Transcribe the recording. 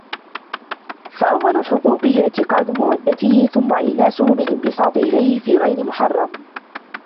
فَأَوَّلُ حُقُوقِهِ اعْتِقَادُ مَوَدَّتِهِ ثُمَّ إينَاسُهُ بِالِانْبِسَاطِ إلَيْهِ فِي غَيْرِ مُحَرَّمٍ